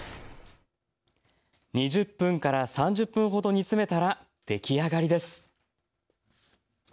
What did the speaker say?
２０分から３０分ほど煮詰めたら出来上がりです。